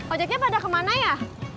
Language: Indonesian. ojeknya pada kemana ya